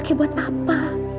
kalau kamu lupa